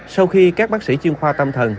sau khi các bác sĩ chuyên khoa tâm thần